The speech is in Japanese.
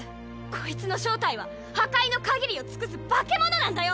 こいつの正体は破壊の限りを尽くす化け物なんだよ！